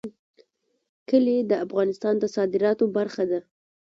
کلي د افغانستان د صادراتو برخه ده.